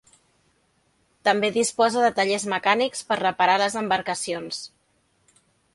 També disposa de tallers mecànics per reparar les embarcacions.